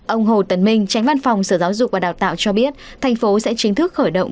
ông hồ tấn minh tránh văn phòng sở giáo dục và đào tạo cho biết thành phố sẽ chính thức khởi động